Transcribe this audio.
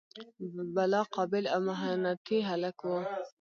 بلا قابل او محنتي هلک و.